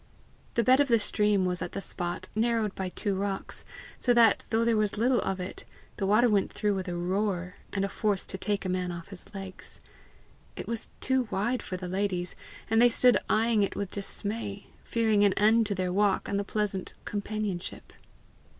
The bed of the stream was at the spot narrowed by two rocks, so that, though there was little of it, the water went through with a roar, and a force to take a man off his legs. It was too wide for the ladies, and they stood eyeing it with dismay, fearing an end to their walk and the pleasant companionship.